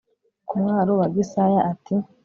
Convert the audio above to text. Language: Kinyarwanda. ku mwaro wa Gisaya ati